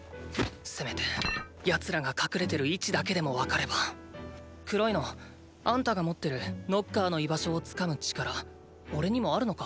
せめて奴らが隠れてる位置だけでもわかれば黒いのあんたが持ってるノッカーの居場所をつかむ力おれにもあるのか？